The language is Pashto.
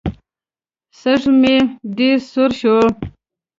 سږ ژمی ډېر سوړ شو.